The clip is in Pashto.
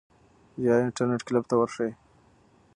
یا انټرنیټ کلب ته ورشئ.